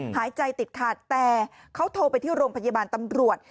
หายใจติดขาดแต่เขาโทรไปที่โรงพยาบาลตำรวจ